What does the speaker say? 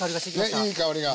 ねいい香りが。